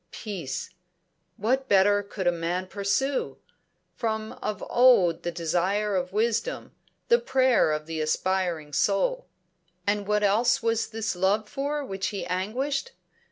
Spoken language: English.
Peace! What better could a man pursue? From of old the desire of wisdom, the prayer of the aspiring soul. And what else was this Love for which he anguished?